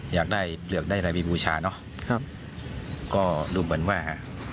อยากได้เลือกได้อะไรไปบูชาเนอะครับก็ดูเหมือนว่า